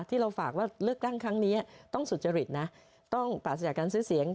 ที่เราฝากว่าเลือกตั้งครั้งนี้ต้องสุจริตนะต้องปราศจากการซื้อเสียง